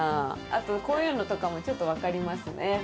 あとこういうのもちょっとわかりますね。